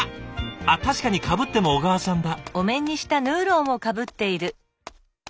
あっ確かにかぶっても小川さんだ。